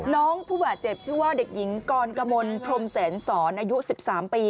ผู้บาดเจ็บชื่อว่าเด็กหญิงกรกมลพรมแสนสอนอายุ๑๓ปี